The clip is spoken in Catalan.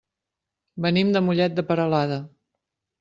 Venim de Mollet de Peralada.